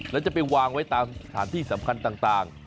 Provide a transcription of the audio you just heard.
แล้วจะไปวางไว้ตามสถานที่สำคัญต่าง